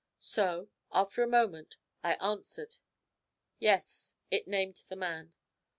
So, after a moment, I answered: 'Yes. It named the man.'